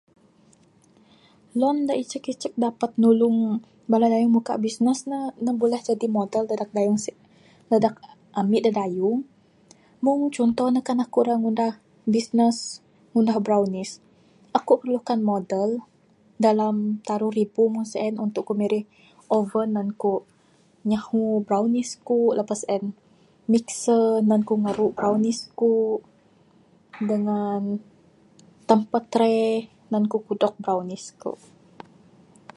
Loan dak icek-icek dapat nulung bala dayung muka business ne, ne buleh jadi modal jaji dedek ami dak dayung mung contoh ne kan aku ira business ngundah brownies, aku perlukan modal dalam taruh ribu mung sien untuk ku mirih oven nan ku nyehu brownies ku lepas en mixer nan ku ngeruk brownies ku dengan tempat tray nan ku kudo brownies ku.